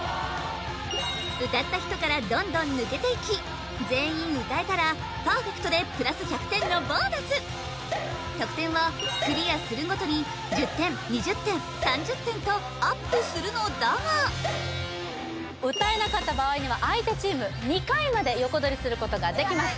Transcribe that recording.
歌った人からどんどん抜けていき全員歌えたらパーフェクトでプラス１００点のボーナス得点はクリアするごとに１０点２０点３０点とアップするのだが歌えなかった場合には相手チーム２回まで横取りすることができます